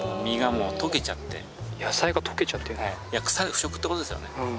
腐食って事ですよね。